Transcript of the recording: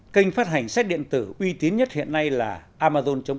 kênh phát hành sách điện tử uy tín nhất hiện nay là amazon